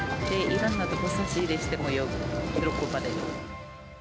いろんな所に差し入れしても喜ばれる。